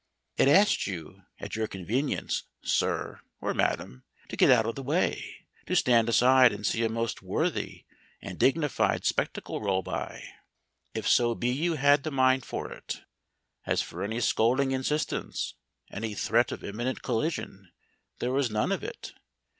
It asked you, at your convenience, sir (or madam), to get out of the way, to stand aside and see a most worthy and dignified spectacle roll by, if so be you had the mind for it. As for any scolding insistence, any threat of imminent collision, there was none of it.